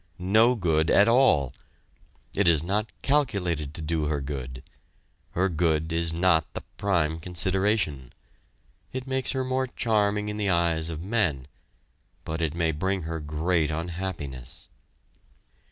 No good at all! It is not calculated to do her good her good is not the prime consideration. It makes her more charming in the eyes of men; but it may bring her great unhappiness.